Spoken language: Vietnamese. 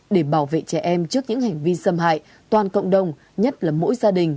để bảo vệ trẻ em trước những hành vi xâm hại toàn cộng đồng nhất là mỗi gia đình